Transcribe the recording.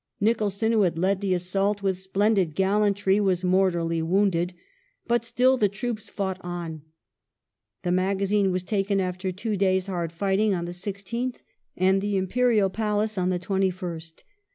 Nicholson, who had led the assault with splendid gallantry, was mortally wounded, but still the troops fought on. The magazine was taken after two days' hard fighting on the 16th and the imperial palace on the 21st.